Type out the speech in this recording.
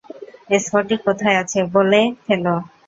স্ফটিক কোথায় আছে, বলে ফেলো।